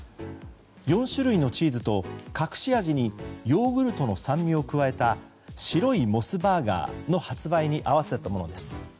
４種類のチーズと隠し味にヨーグルトの酸味を加えた白いモスバーガーの発売に合わせたものです。